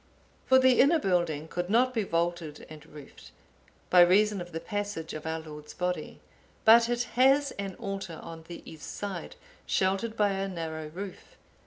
For the inner building could not be vaulted and roofed, by reason of the passage of our Lord's Body; but it has an altar on the east side, sheltered by a narrow roof.